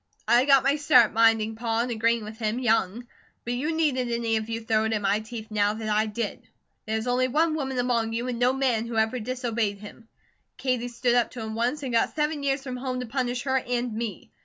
I got my start, minding Pa, and agreeing with him, young; but you needn't any of you throw it in my teeth now, that I did. There is only ONE woman among you, and no MAN who ever disobeyed him. Katie stood up to him once, and got seven years from home to punish her and me.